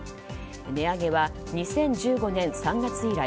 値上げは２０１５年３月以来